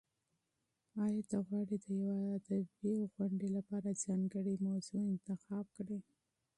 ایا ته غواړې د یو ادبي سیمینار لپاره ځانګړې موضوع انتخاب کړې؟